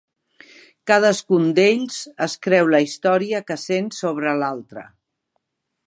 Cadascun d'ells es creu la història que sent sobre l'altre.